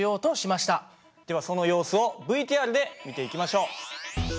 ではその様子をＶＴＲで見ていきましょう。